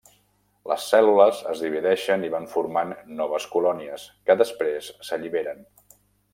Les cèl·lules es divideixen i van formant noves colònies, que després s'alliberen.